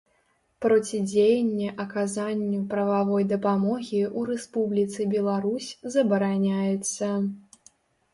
Процідзеянне аказанню прававой дапамогі ў Рэспубліцы Беларусь забараняецца.